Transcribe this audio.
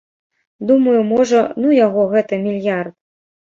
Думаю, можа, ну яго, гэты мільярд?